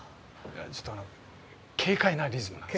ちょっとあの軽快なリズムのやつを。